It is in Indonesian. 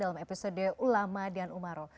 dalam episode ulama dan umaro